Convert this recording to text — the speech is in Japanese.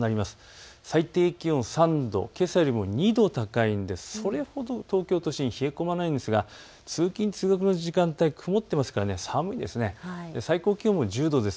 最低気温３度、けさよりも２度高いのでそれほど東京都心、冷え込まないんですが通勤通学の時間帯、曇ってますから寒いですね。